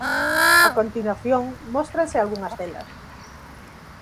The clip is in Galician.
A continuación móstranse algunhas delas.